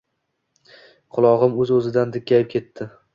Qulog‘im o‘z-o‘zidan dinkayib ketdi